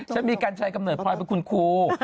ฉันมีกัญชัยกำเนิดพลอยเป็นคุณครู